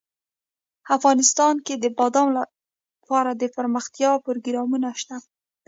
افغانستان کې د بادام لپاره دپرمختیا پروګرامونه شته.